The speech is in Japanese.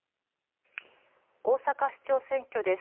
大阪市長選挙です。